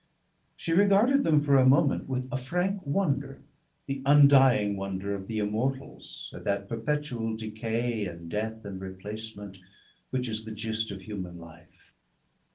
She regarded them for a moment with a frank wonder, the undying wonder of the Immortals at that perpetual decay and death and replacement which is the gist of human life.